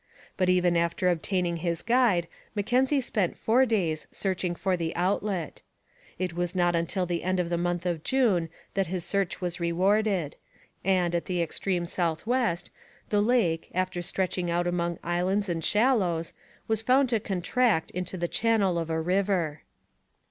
But even after obtaining his guide Mackenzie spent four days searching for the outlet It was not till the end of the month of June that his search was rewarded, and, at the extreme south west, the lake, after stretching out among islands and shallows, was found to contract into the channel of a river.